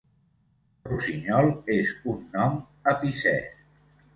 'Rossinyol' és un nom epicè.